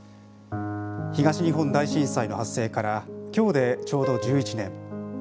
東日本大震災の発生から今日でちょうど１１年。